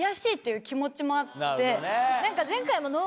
いう気持ちもあって。